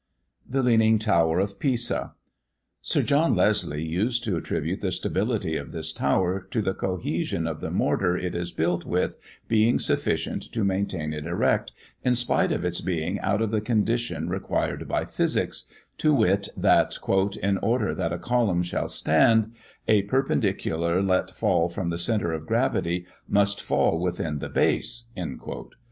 THE LEANING TOWER OF PISA. Sir John Leslie used to attribute the stability of this tower to the cohesion of the mortar it is built with being sufficient to maintain it erect, in spite of its being out of the condition required by physics to wit, that "in order that a column shall stand, a perpendicular let fall from the centre of gravity must fall within the base."